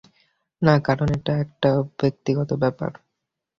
না, কারণ এটা একটা ব্যক্তিগত ব্যাপার।